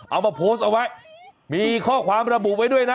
เอามาโพสต์เอาไว้มีข้อความระบุไว้ด้วยนะ